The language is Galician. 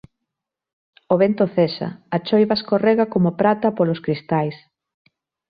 O vento cesa, a choiva escorrega como prata polos cristais.